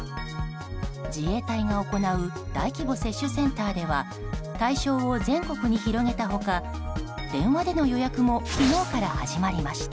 自衛隊が行う大規模接種センターでは対象を全国に広げた他電話での予約も昨日から始まりました。